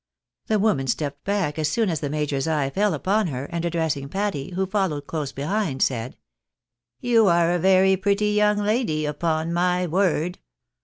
Tiie woman stepped back as soon as the major's eye fell upon her, and addressing Patty, who followed close behind, said —" You are a very pretty young lady, upon my word.